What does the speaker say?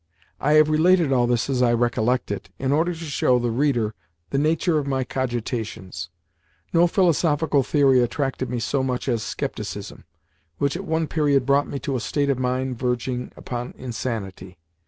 I have related all this as I recollect it in order to show the reader the nature of my cogitations. No philosophical theory attracted me so much as scepticism, which at one period brought me to a state of mind verging upon insanity.